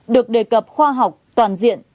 được đề cập khoa học toàn diện